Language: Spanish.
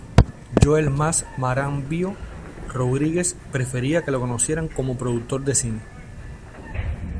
Joel Max Marambio Rodríguez prefería que lo conocieran como productor de cine.